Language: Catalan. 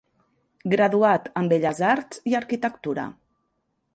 Graduat en Belles Arts i Arquitectura.